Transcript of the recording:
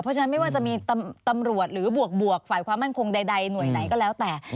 เพราะฉะนั้นไม่ว่าจะมีตำรวจหรือบวกฝ่ายความมั่นคงใดหน่วยไหนก็แล้วแต่